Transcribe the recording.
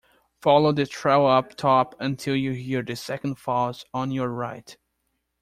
Follow the trail up top until you hear the second falls on your right.